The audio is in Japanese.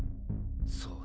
そう